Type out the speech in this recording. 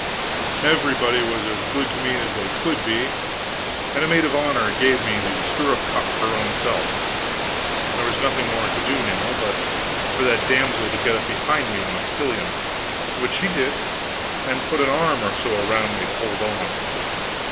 Everybody was as good to me as they could be, and a maid of honor gave me the stirrup cup her own self. There was nothing more to do now, but for that damsel to get up behind me on a pillion, which she did, and put an arm or so around me to hold on.